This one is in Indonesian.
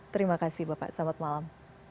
terima kasih bapak selamat malam